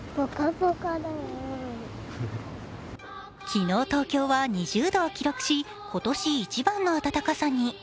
昨日、東京は２０度を記録し、今年一番の暖かさに。